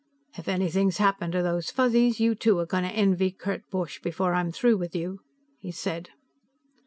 "If anything's happened to those Fuzzies, you two are going to envy Kurt Borch before I'm through with you," he said.